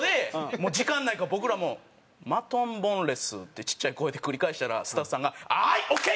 もう時間ないから僕らも「マトンボンレス」ってちっちゃい声で繰り返したらスタッフさんが「はーいオーケー！」